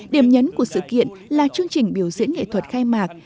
điểm nhấn của sự kiện là chương trình biểu diễn nghệ thuật khai mạc